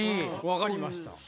分かりました